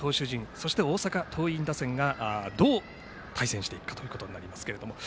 そして大阪桐蔭打線がどう対戦していくかということになると思いますけども。